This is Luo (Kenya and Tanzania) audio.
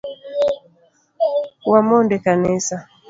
Wamond ekanisa